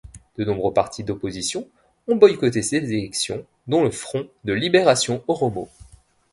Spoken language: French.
De nombreux partis d'opposition ont boycotté ces élections, dont le Front de libération Oromo.